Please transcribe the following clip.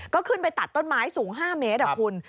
ก็ขึ้นไปตัดต้นไม้สูง๕เมตรคุณ